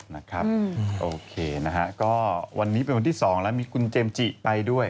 นะครับโอเคนะฮะก็วันนี้เป็นวันที่๒แล้วมีคุณเจมส์จิไปด้วย